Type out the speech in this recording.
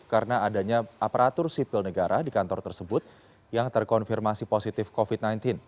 karena adanya aparatur sipil negara di kantor tersebut yang terkonfirmasi positif covid sembilan belas